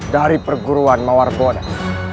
dari perguruan mawarbonas